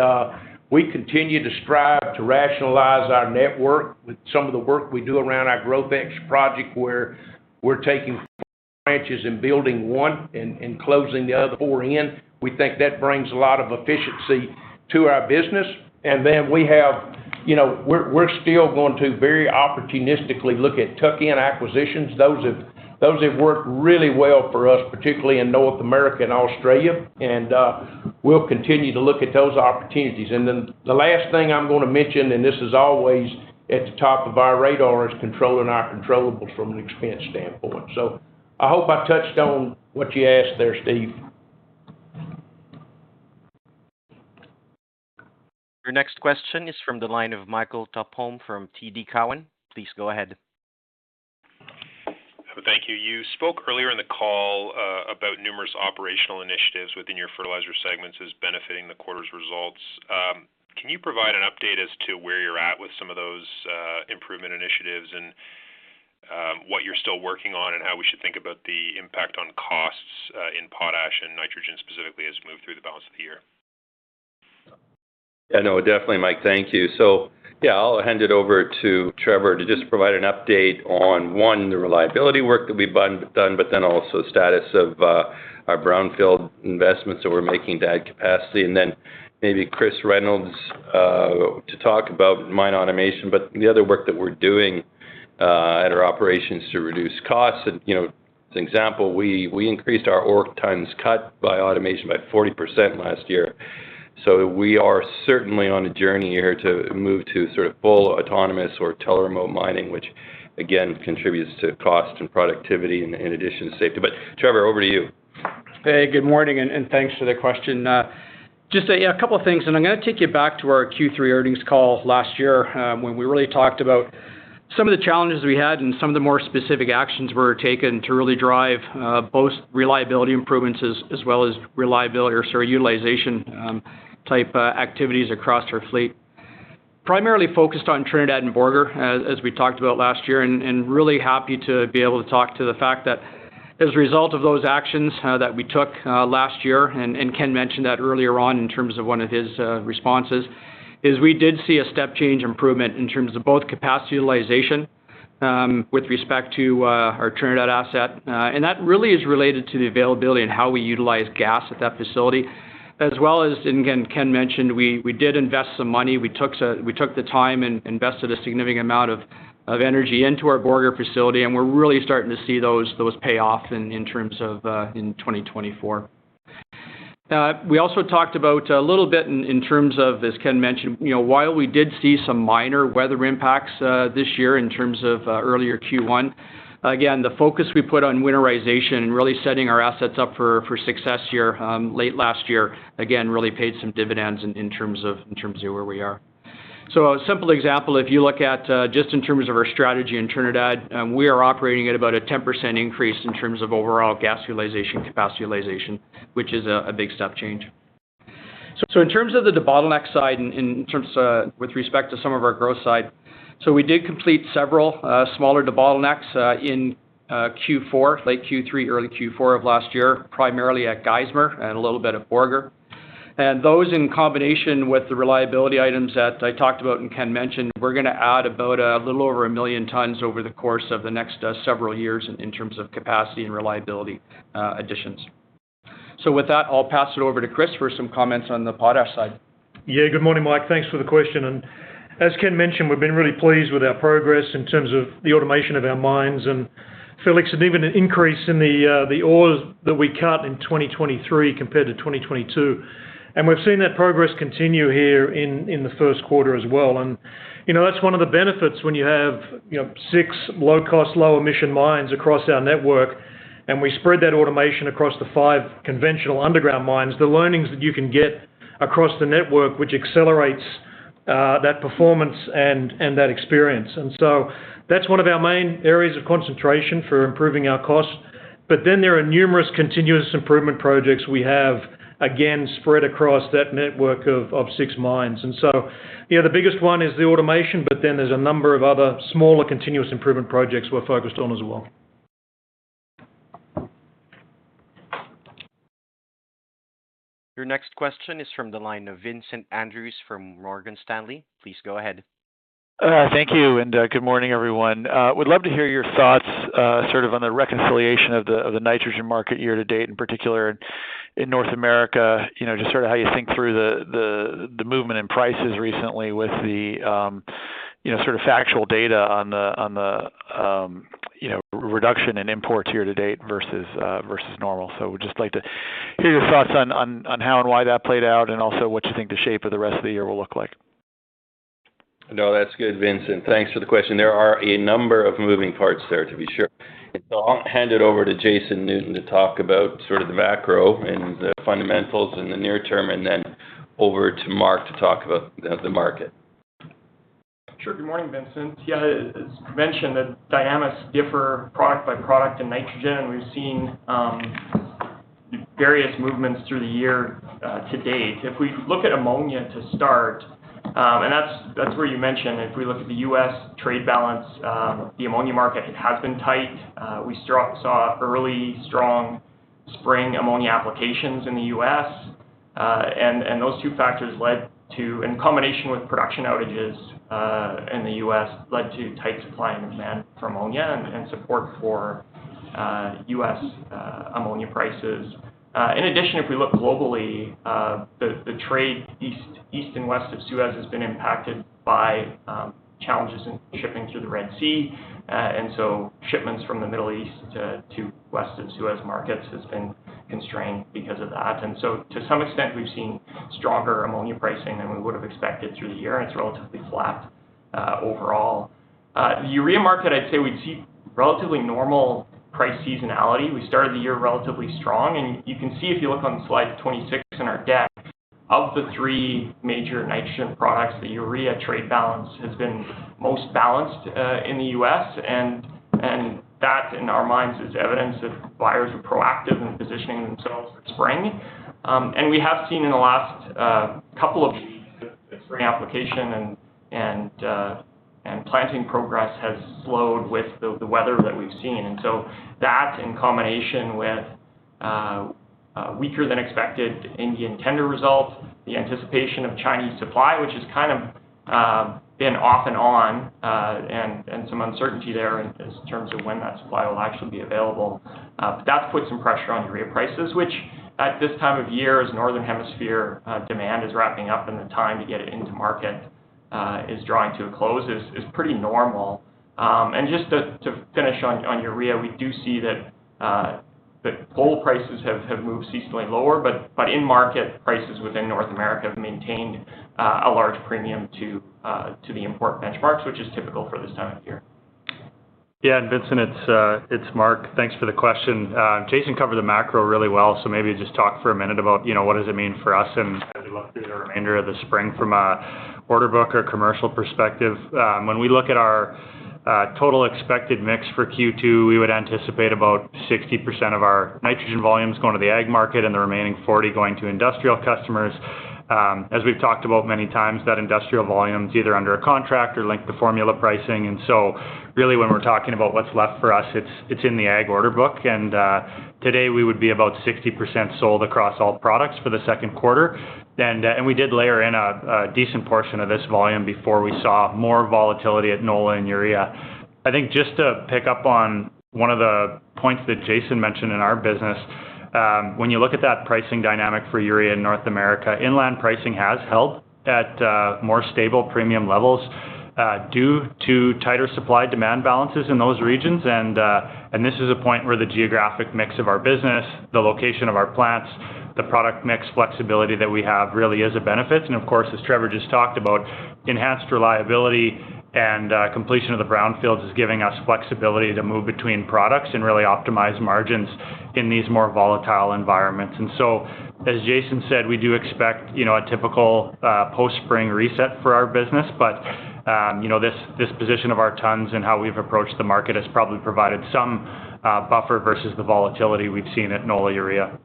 Speaker 9: we continue to strive to rationalize our network with some of the work we do around our GrowthX project where we're taking branches and building one and closing the other four in. We think that brings a lot of efficiency to our business. And then we're still going to very opportunistically look at tuck-in acquisitions. Those have worked really well for us, particularly in North America and Australia. And we'll continue to look at those opportunities. Then the last thing I'm going to mention, and this is always at the top of our radar, is controlling our controllables from an expense standpoint. I hope I touched on what you asked there, Steve.
Speaker 1: Your next question is from the line of Michael Tupholme from TD Cowen. Please go ahead.
Speaker 14: Thank you. You spoke earlier in the call about numerous operational initiatives within your fertilizer segments as benefiting the quarter's results. Can you provide an update as to where you're at with some of those improvement initiatives and what you're still working on and how we should think about the impact on costs in potash and nitrogen specifically as we move through the balance of the year?
Speaker 3: Yeah, no, definitely, Mike. Thank you. So yeah, I'll hand it over to Trevor to just provide an update on, one, the reliability work that we've done, but then also status of our brownfield investments that we're making to add capacity. And then maybe Chris Reynolds to talk about mine automation, but the other work that we're doing at our operations to reduce costs. And as an example, we increased our ore times cut by automation by 40% last year. So we are certainly on a journey here to move to sort of full autonomous or tele-remote mining, which, again, contributes to cost and productivity in addition to safety. But Trevor, over to you.
Speaker 15: Hey, good morning. And thanks for the question. Just a couple of things. And I'm going to take you back to our Q3 earnings call last year when we really talked about some of the challenges we had and some of the more specific actions that were taken to really drive both reliability improvements as well as reliability or sorry, utilization-type activities across our fleet. Primarily focused on Trinidad and Borger, as we talked about last year, and really happy to be able to talk to the fact that as a result of those actions that we took last year - and Ken mentioned that earlier on in terms of one of his responses - is we did see a step-change improvement in terms of both capacity utilization with respect to our Trinidad asset. And that really is related to the availability and how we utilize gas at that facility. And again, Ken mentioned, we did invest some money. We took the time and invested a significant amount of energy into our Borger facility. And we're really starting to see those pay off in terms of in 2024. Now, we also talked about a little bit in terms of, as Ken mentioned, while we did see some minor weather impacts this year in terms of earlier Q1, again, the focus we put on winterization and really setting our assets up for success here late last year, again, really paid some dividends in terms of where we are. So a simple example, if you look at just in terms of our strategy in Trinidad, we are operating at about a 10% increase in terms of overall gas utilization, capacity utilization, which is a big step-change. In terms of the debottleneck side with respect to some of our growth side, we did complete several smaller debottlenecks in Q4, late Q3, early Q4 of last year, primarily at Geismar and a little bit at Borger. Those, in combination with the reliability items that I talked about and Ken mentioned, we're going to add about a little over 1 million tons over the course of the next several years in terms of capacity and reliability additions. With that, I'll pass it over to Chris for some comments on the potash side.
Speaker 16: Yeah, good morning, Mike. Thanks for the question. As Ken mentioned, we've been really pleased with our progress in terms of the automation of our mines and fleets and even an increase in the ores that we cut in 2023 compared to 2022. We've seen that progress continue here in the first quarter as well. That's one of the benefits when you have six low-cost, low-emission mines across our network, and we spread that automation across the five conventional underground mines. The learnings that you can get across the network, which accelerates that performance and that experience. So that's one of our main areas of concentration for improving our cost. Then there are numerous continuous improvement projects we have, again, spread across that network of six mines. And so the biggest one is the automation, but then there's a number of other smaller continuous improvement projects we're focused on as well.
Speaker 1: Your next question is from the line of Vincent Andrews from Morgan Stanley. Please go ahead.
Speaker 17: Thank you. Good morning, everyone. Would love to hear your thoughts sort of on the reconciliation of the nitrogen market year-to-date in particular in North America, just sort of how you think through the movement in prices recently with the sort of factual data on the reduction in imports year-to-date versus normal. So we'd just like to hear your thoughts on how and why that played out and also what you think the shape of the rest of the year will look like.
Speaker 3: No, that's good, Vincent. Thanks for the question. There are a number of moving parts there, to be sure. So I'll hand it over to Jason Newton to talk about sort of the macro and the fundamentals in the near term, and then over to Mark to talk about the market.
Speaker 7: Sure. Good morning, Vincent. Yeah, as mentioned, the dynamics differ product by product in nitrogen, and we've seen various movements through the year to date. If we look at ammonia to start - and that's where you mentioned - if we look at the U.S. trade balance, the ammonia market has been tight. We saw early, strong spring ammonia applications in the U.S. And those two factors led to, in combination with production outages in the U.S., led to tight supply and demand for ammonia and support for U.S. ammonia prices. In addition, if we look globally, the trade east and west of Suez has been impacted by challenges in shipping through the Red Sea. And so shipments from the Middle East to west of Suez markets have been constrained because of that. So to some extent, we've seen stronger ammonia pricing than we would have expected through the year, and it's relatively flat overall. The urea market, I'd say we'd see relatively normal price seasonality. We started the year relatively strong. You can see if you look on slide 26 in our deck, of the three major nitrogen products, the urea trade balance has been most balanced in the U.S. And that, in our minds, is evidence that buyers are proactive in positioning themselves for spring. And we have seen, in the last couple of weeks, a spring application, and planting progress has slowed with the weather that we've seen. And so that, in combination with a weaker-than-expected Indian tender result, the anticipation of Chinese supply, which has kind of been off and on, and some uncertainty there in terms of when that supply will actually be available, that's put some pressure on urea prices, which at this time of year, as northern hemisphere demand is wrapping up and the time to get it into market is drawing to a close, is pretty normal. And just to finish on urea, we do see that coal prices have moved ceaselessly lower, but in-market prices within North America have maintained a large premium to the import benchmarks, which is typical for this time of year.
Speaker 10: Yeah, and Vincent, it's Mark. Thanks for the question. Jason covered the macro really well, so maybe just talk for a minute about what does it mean for us as we look through the remainder of the spring from an order book or commercial perspective. When we look at our total expected mix for Q2, we would anticipate about 60% of our nitrogen volumes going to the ag market and the remaining 40% going to industrial customers. As we've talked about many times, that industrial volume is either under a contract or linked to formula pricing. And so really, when we're talking about what's left for us, it's in the ag order book. And today, we would be about 60% sold across all products for the second quarter. And we did layer in a decent portion of this volume before we saw more volatility at NOLA and urea. I think just to pick up on one of the points that Jason mentioned in our business, when you look at that pricing dynamic for urea in North America, inland pricing has held at more stable premium levels due to tighter supply-demand balances in those regions. And this is a point where the geographic mix of our business, the location of our plants, the product mix flexibility that we have really is a benefit. And of course, as Trevor just talked about, enhanced reliability and completion of the brownfields is giving us flexibility to move between products and really optimize margins in these more volatile environments. And so as Jason said, we do expect a typical post-spring reset for our business. But this position of our tons and how we've approached the market has probably provided some buffer versus the volatility we've seen at Nola urea.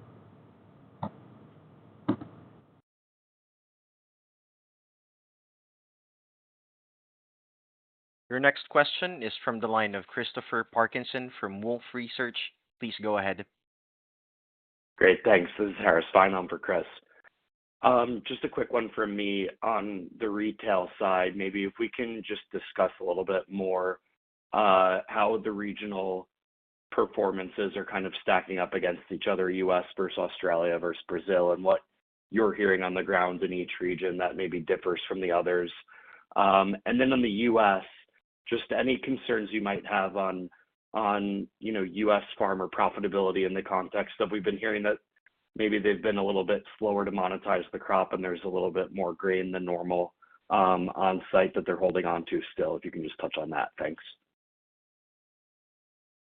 Speaker 1: Your next question is from the line of Christopher Parkinson from Wolfe Research. Please go ahead.
Speaker 18: Great. Thanks. This is Harris Fein for Chris. Just a quick one from me on the retail side. Maybe if we can just discuss a little bit more how the regional performances are kind of stacking up against each other, U.S. versus Australia versus Brazil, and what you're hearing on the grounds in each region that maybe differs from the others. And then in the U.S., just any concerns you might have on U.S. farmer profitability in the context of we've been hearing that maybe they've been a little bit slower to monetize the crop, and there's a little bit more grain than normal on-site that they're holding onto still. If you can just touch on that, thanks.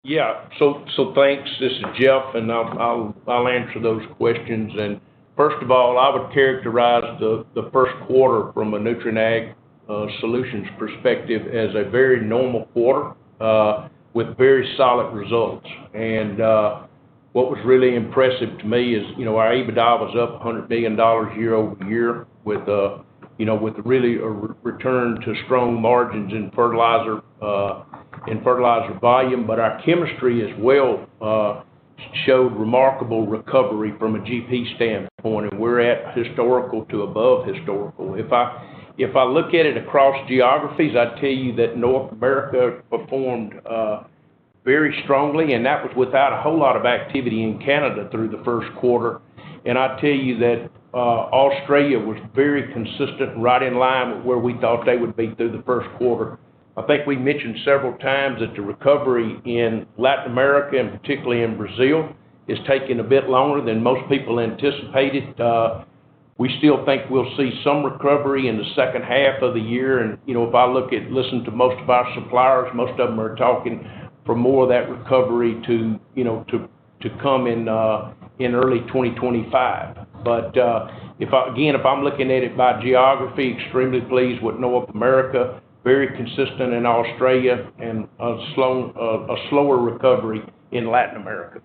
Speaker 9: Yeah. So thanks. This is Jeff, and I'll answer those questions. And first of all, I would characterize the first quarter from a Nutrien Ag Solutions perspective as a very normal quarter with very solid results. And what was really impressive to me is our EBITDA was up $100 million year-over-year with really a return to strong margins in fertilizer volume. But our chemistry as well showed remarkable recovery from a GP standpoint, and we're at historical to above historical. If I look at it across geographies, I'd tell you that North America performed very strongly, and that was without a whole lot of activity in Canada through the first quarter. And I'd tell you that Australia was very consistent, right in line with where we thought they would be through the first quarter. I think we mentioned several times that the recovery in Latin America, and particularly in Brazil, is taking a bit longer than most people anticipated. We still think we'll see some recovery in the second half of the year. If I look at and listen to most of our suppliers, most of them are talking for more of that recovery to come in early 2025. Again, if I'm looking at it by geography, extremely pleased with North America, very consistent in Australia, and a slower recovery in Latin America.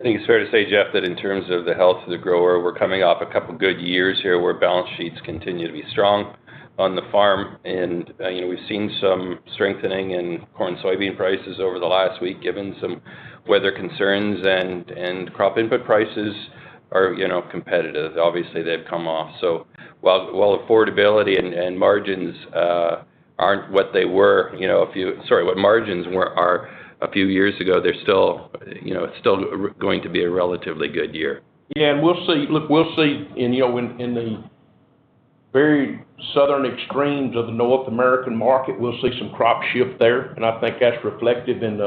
Speaker 3: I think it's fair to say, Jeff, that in terms of the health of the grower, we're coming off a couple of good years here where balance sheets continue to be strong on the farm. And we've seen some strengthening in corn and soybean prices over the last week given some weather concerns. And crop input prices are competitive. Obviously, they've come off. So while affordability and margins aren't what they were a few sorry, what margins were a few years ago, it's still going to be a relatively good year.
Speaker 9: Yeah. And look, we'll see in the very southern extremes of the North American market, we'll see some crop shift there. And I think that's reflective in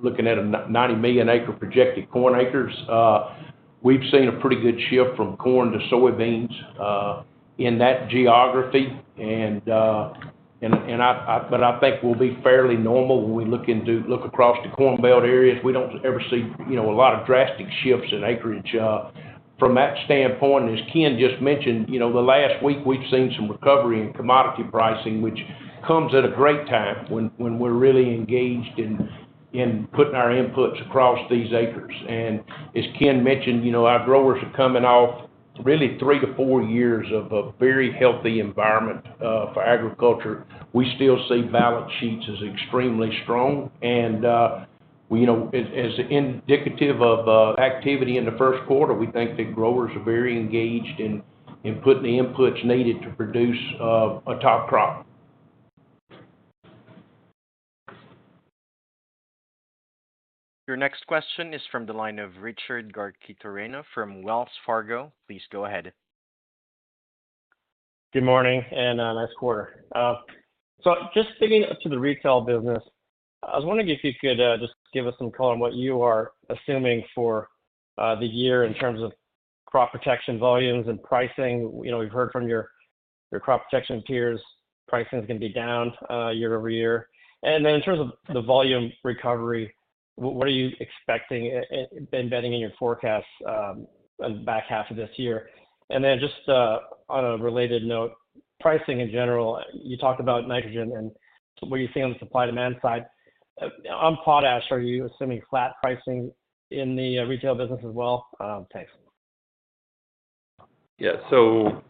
Speaker 9: looking at a 90 million-acre projected corn acres. We've seen a pretty good shift from corn to soybeans in that geography. But I think we'll be fairly normal when we look across the Corn Belt areas. We don't ever see a lot of drastic shifts in acreage. From that standpoint, as Ken just mentioned, the last week, we've seen some recovery in commodity pricing, which comes at a great time when we're really engaged in putting our inputs across these acres. And as Ken mentioned, our growers are coming off really 3-4 years of a very healthy environment for agriculture. We still see balance sheets as extremely strong. As indicative of activity in the first quarter, we think that growers are very engaged in putting the inputs needed to produce a top crop.
Speaker 1: Your next question is from the line of Richard Garchitorena from Wells Fargo. Please go ahead.
Speaker 19: Good morning and nice quarter. So just digging into the retail business, I was wondering if you could just give us some color on what you are assuming for the year in terms of crop protection volumes and pricing. We've heard from your crop protection peers, pricing is going to be down year-over-year. And then in terms of the volume recovery, what are you expecting embedding in your forecast in the back half of this year? And then just on a related note, pricing in general, you talked about nitrogen and what you're seeing on the supply-demand side. On potash, are you assuming flat pricing in the retail business as well? Thanks.
Speaker 3: Yeah. So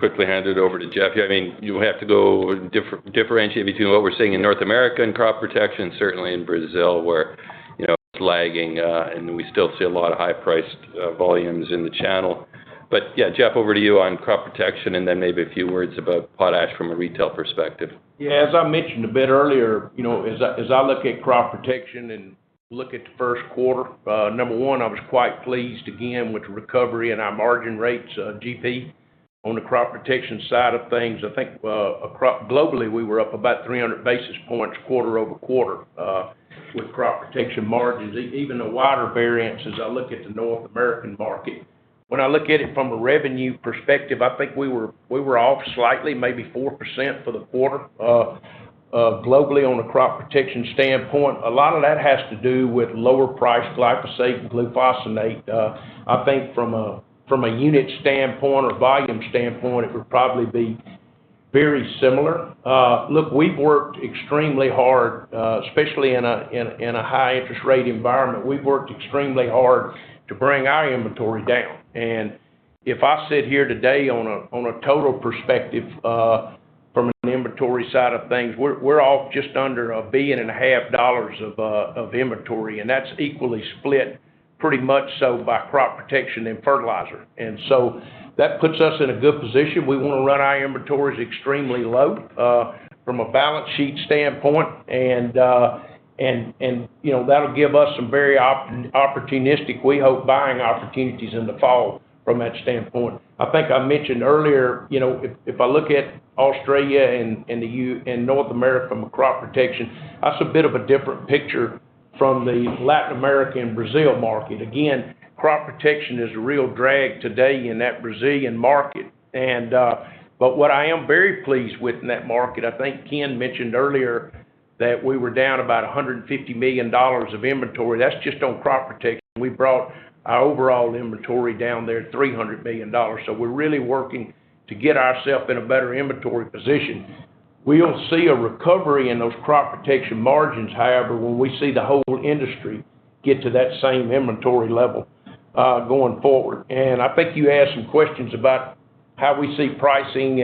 Speaker 3: quickly hand it over to Jeff. Yeah, I mean, you'll have to differentiate between what we're seeing in North America in crop protection, certainly in Brazil, where it's lagging, and we still see a lot of high-priced volumes in the channel. But yeah, Jeff, over to you on crop protection, and then maybe a few words about potash from a retail perspective.
Speaker 9: Yeah. As I mentioned a bit earlier, as I look at crop protection and look at the first quarter, number one, I was quite pleased, again, with the recovery and our margin rates, GP, on the crop protection side of things. I think globally, we were up about 300 basis points quarter-over-quarter with crop protection margins. Even the wider variance, as I look at the North American market, when I look at it from a revenue perspective, I think we were off slightly, maybe 4% for the quarter globally on a crop protection standpoint. A lot of that has to do with lower-priced glyphosate and glufosinate. I think from a unit standpoint or volume standpoint, it would probably be very similar. Look, we've worked extremely hard, especially in a high-interest rate environment. We've worked extremely hard to bring our inventory down. If I sit here today on a total perspective from an inventory side of things, we're off just under $1.5 billion of inventory. That's equally split pretty much so by crop protection and fertilizer. So that puts us in a good position. We want to run our inventories extremely low from a balance sheet standpoint. That'll give us some very opportunistic, we hope, buying opportunities in the fall from that standpoint. I think I mentioned earlier. If I look at Australia and North America from a crop protection, that's a bit of a different picture from the Latin America and Brazil market. Again, crop protection is a real drag today in that Brazilian market. But what I am very pleased with in that market, I think Ken mentioned earlier that we were down about $150 million of inventory. That's just on crop protection. We brought our overall inventory down there to $300 million. So we're really working to get ourselves in a better inventory position. We'll see a recovery in those crop protection margins, however, when we see the whole industry get to that same inventory level going forward. And I think you asked some questions about how we see pricing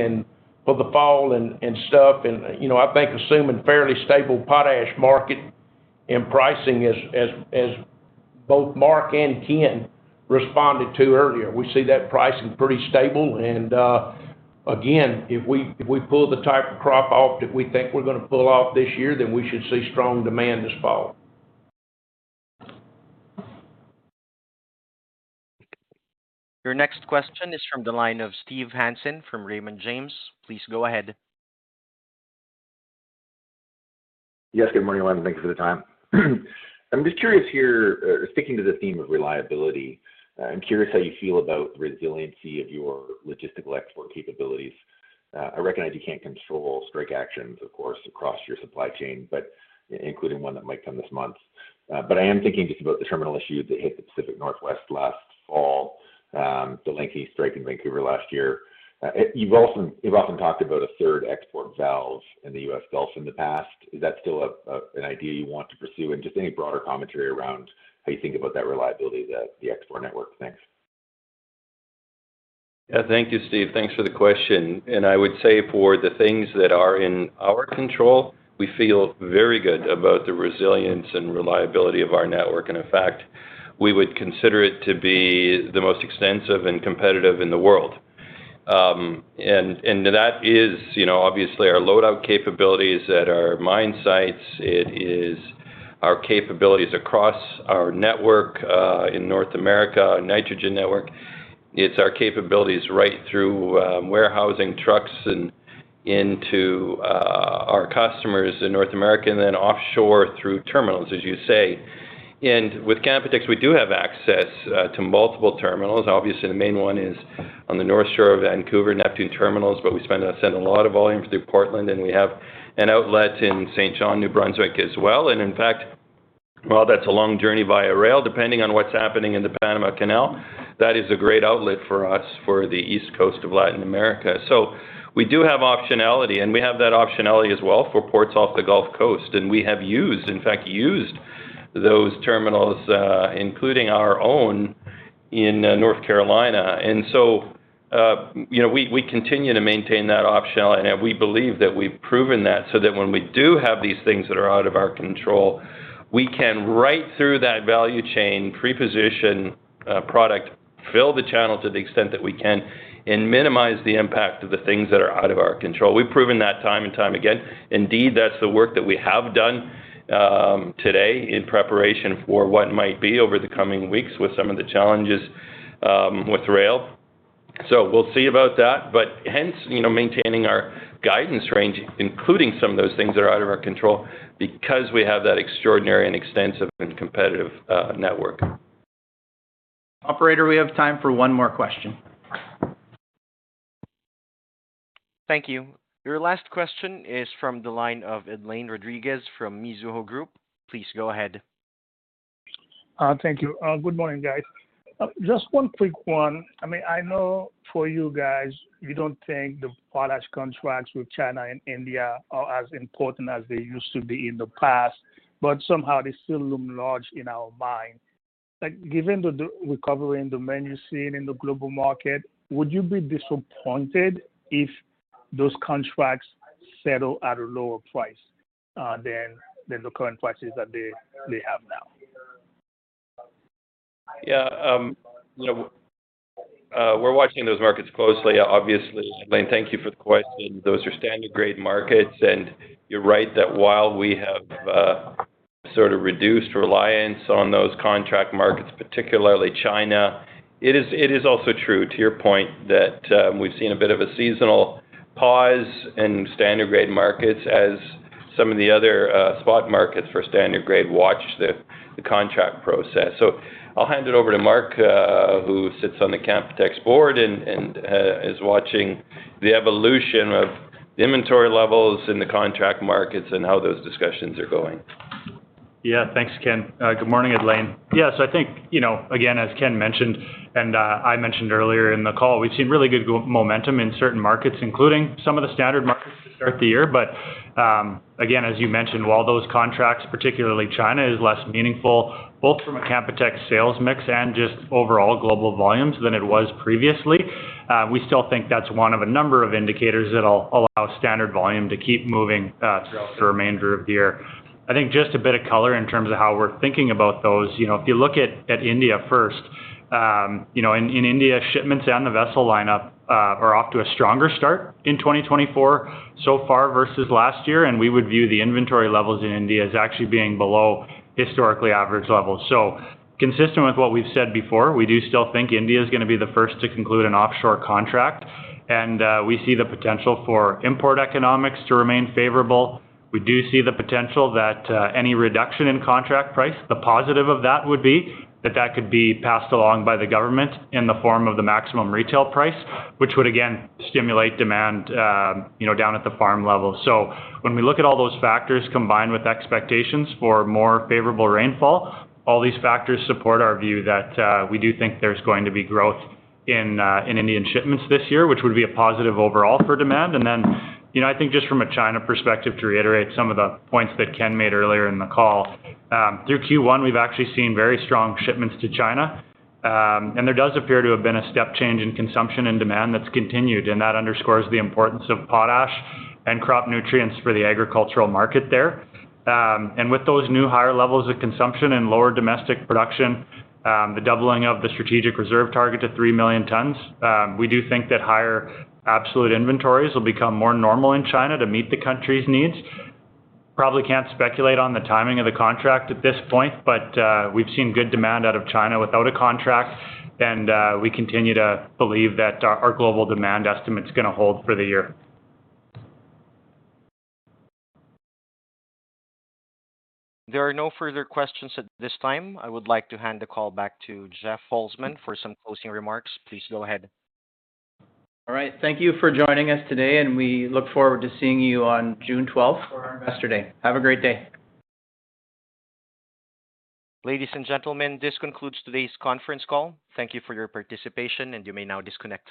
Speaker 9: for the fall and stuff. And I think assuming fairly stable potash market and pricing as both Mark and Ken responded to earlier, we see that pricing pretty stable. And again, if we pull the type of crop off that we think we're going to pull off this year, then we should see strong demand this fall.
Speaker 1: Your next question is from the line of Steve Hansen from Raymond James. Please go ahead.
Speaker 20: Yes. Good morning, Lyman. Thank you for the time. I'm just curious here, sticking to the theme of reliability, I'm curious how you feel about the resiliency of your logistical export capabilities. I recognize you can't control strike actions, of course, across your supply chain, including one that might come this month. But I am thinking just about the terminal issue that hit the Pacific Northwest last fall, the lengthy strike in Vancouver last year. You've often talked about a third export valve in the U.S. Gulf in the past. Is that still an idea you want to pursue? And just any broader commentary around how you think about that reliability of the export network? Thanks.
Speaker 3: Yeah. Thank you, Steve. Thanks for the question. And I would say for the things that are in our control, we feel very good about the resilience and reliability of our network. And in fact, we would consider it to be the most extensive and competitive in the world. And that is obviously our loadout capabilities at our mine sites. It is our capabilities across our network in North America, our nitrogen network. It's our capabilities right through warehousing trucks and into our customers in North America and then offshore through terminals, as you say. And with Canpotex, we do have access to multiple terminals. Obviously, the main one is on the north shore of Vancouver, Neptune Terminals, but we send a lot of volume through Portland. And we have an outlet in Saint John, New Brunswick as well. In fact, while that's a long journey via rail, depending on what's happening in the Panama Canal, that is a great outlet for us for the east coast of Latin America. So we do have optionality. And we have that optionality as well for ports off the Gulf Coast. And we have used, in fact, used those terminals, including our own in North Carolina. And so we continue to maintain that optionality. And we believe that we've proven that so that when we do have these things that are out of our control, we can right through that value chain, preposition product, fill the channel to the extent that we can, and minimize the impact of the things that are out of our control. We've proven that time and time again. Indeed, that's the work that we have done today in preparation for what might be over the coming weeks with some of the challenges with rail. So we'll see about that. But hence, maintaining our guidance range, including some of those things that are out of our control because we have that extraordinary and extensive and competitive network.
Speaker 2: Operator, we have time for one more question.
Speaker 1: Thank you. Your last question is from the line of Edlain Rodriguez from Mizuho Group. Please go ahead.
Speaker 21: Thank you. Good morning, guys. Just one quick one. I mean, I know for you guys, you don't think the potash contracts with China and India are as important as they used to be in the past, but somehow they still loom large in our mind. Given the recovery in the potash scene in the global market, would you be disappointed if those contracts settle at a lower price than the current prices that they have now?
Speaker 3: Yeah. We're watching those markets closely, obviously. Edlain, thank you for the question. Those are standard-grade markets. You're right that while we have sort of reduced reliance on those contract markets, particularly China, it is also true, to your point, that we've seen a bit of a seasonal pause in standard-grade markets as some of the other spot markets for standard-grade watch the contract process. So I'll hand it over to Mark, who sits on the Canpotex board and is watching the evolution of the inventory levels in the contract markets and how those discussions are going.
Speaker 10: Yeah. Thanks, Ken. Good morning, Edlain. Yeah. So I think, again, as Ken mentioned and I mentioned earlier in the call, we've seen really good momentum in certain markets, including some of the standard markets, to start the year. But again, as you mentioned, while those contracts, particularly China, is less meaningful both from a Canpotex sales mix and just overall global volumes than it was previously, we still think that's one of a number of indicators that'll allow standard volume to keep moving throughout the remainder of the year. I think just a bit of color in terms of how we're thinking about those. If you look at India first, in India, shipments and the vessel lineup are off to a stronger start in 2024 so far versus last year. And we would view the inventory levels in India as actually being below historically average levels. So consistent with what we've said before, we do still think India is going to be the first to conclude an offshore contract. And we see the potential for import economics to remain favorable. We do see the potential that any reduction in contract price, the positive of that would be that that could be passed along by the government in the form of the maximum retail price, which would, again, stimulate demand down at the farm level. So when we look at all those factors combined with expectations for more favorable rainfall, all these factors support our view that we do think there's going to be growth in Indian shipments this year, which would be a positive overall for demand. Then I think just from a China perspective, to reiterate some of the points that Ken made earlier in the call, through Q1, we've actually seen very strong shipments to China. And there does appear to have been a step change in consumption and demand that's continued. And that underscores the importance of potash and crop nutrients for the agricultural market there. And with those new higher levels of consumption and lower domestic production, the doubling of the strategic reserve target to 3 million tons, we do think that higher absolute inventories will become more normal in China to meet the country's needs. Probably can't speculate on the timing of the contract at this point, but we've seen good demand out of China without a contract. And we continue to believe that our global demand estimate is going to hold for the year.
Speaker 1: There are no further questions at this time. I would like to hand the call back to Jeff Holzman for some closing remarks. Please go ahead.
Speaker 2: All right. Thank you for joining us today. We look forward to seeing you on June 12th for our investor day. Have a great day.
Speaker 1: Ladies and gentlemen, this concludes today's conference call. Thank you for your participation, and you may now disconnect.